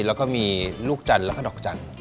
แล้วก็มีลูกจันทร์แล้วก็ดอกจันทร์